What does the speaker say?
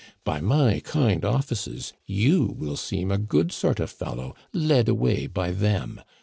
By my kind offices you will seem a good sort of fellow led away by them.